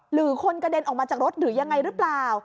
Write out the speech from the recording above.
หรือคนกระเด็นออกมาจากรถหรือยังไงหรือเปล่า